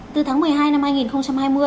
từ tháng một mươi hai năm hai nghìn hai mươi